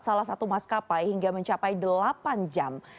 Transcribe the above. salah satu maskapai hingga mencapai delapan jam